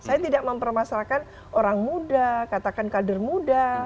saya tidak mempermasalahkan orang muda katakan kader muda